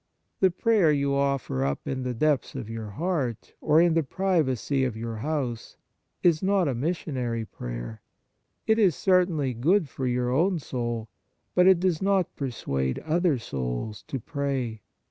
The prayer you offer up in the depths of your heart or in the privacy of your house is not a missionary prayer : it is certainly good for your own soul, but it does 4 6 The Liturgical Offices not persuade other souls to pray.